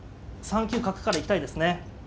３九角から行きたいですね。